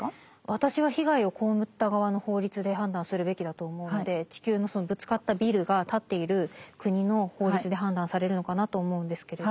私は被害を被った側の法律で判断するべきだと思うので地球のそのぶつかったビルが建っている国の法律で判断されるのかなと思うんですけれど。